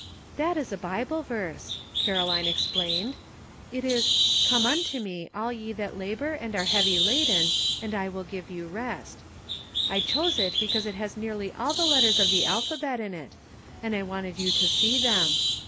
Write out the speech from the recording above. '' That is a Bible verse," Caroline explained; "it is ^Come unto me, all ye that labor and are heavy laden, and I will give you rest.' I chose it because it has nearly all the letters of the alphabet in it, and I wanted you to see them.